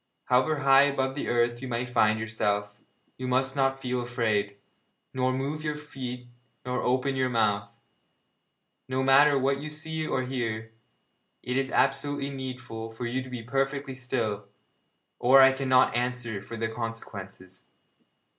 However high above the earth you may find yourself, you must not feel afraid, nor move your feet nor open your mouth. No matter what you see or hear, it is absolutely needful for you to be perfectly still, or I cannot answer for the consequences.'